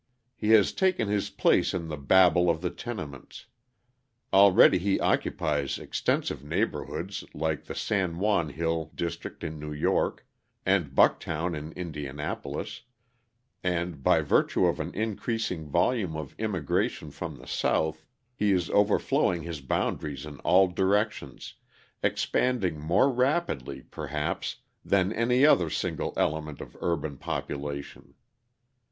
He has taken his place in the babel of the tenements; already he occupies extensive neighbourhoods like the San Juan Hill district in New York and Bucktown in Indianapolis, and, by virtue of an increasing volume of immigration from the South, he is overflowing his boundaries in all directions, expanding more rapidly, perhaps, than any other single element of urban population.